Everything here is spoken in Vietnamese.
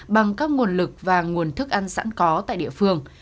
bằng các nguồn lực và nguồn thức ăn sẵn có tại địa phương